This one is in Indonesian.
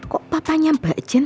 kok papanya mbak jen